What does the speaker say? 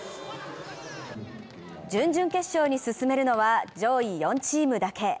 準々決勝に進めるのは上位４チームだけ。